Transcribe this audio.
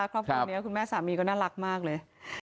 น่ารักนะคะครอบครัวนี้คุณแม่สามีก็น่ารักมากเลย